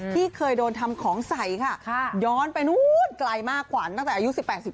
ที่เคยโดนทำของใส่ค่ะย้อนไปนู้นไกลมากขวัญตั้งแต่อายุ๑๘๑๙